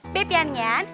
beb yan yan